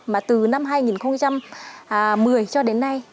mà từ năm hai nghìn một mươi cho đến nay